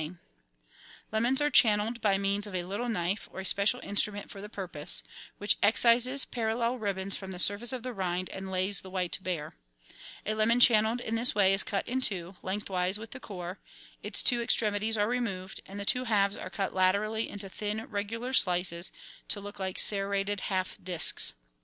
74 GUIDE TO MODERN COOKERY Lemons are channelled by means of a little knife, or a special instrument for the purpose, which excises parallel ribbons from the surface of the rind and lays the white bare. A lemon channelled in this way is cut in two, lengthwise with the core ; its two extremities are removed, and the two halves are cut laterally into thin, regular slices to look like serrated half discs.